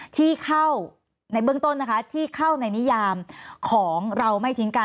ที่เข้าในเบื้องต้นนะคะที่เข้าในนิยามของเราไม่ทิ้งกัน